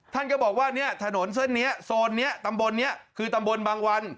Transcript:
ท่านก็บอกว่าเนี่ยถนนเส้นนี้โซนนี้ตำบลนี้คือตำบลบางวัน